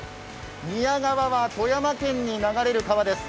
宮川は富山県に流れる川です。